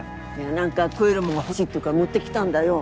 なんか食えるものが欲しいって言うから持ってきたんだよ。